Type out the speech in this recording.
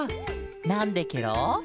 なんでケロ？